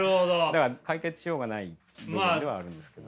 だから解決しようがない部分ではあるんですけど。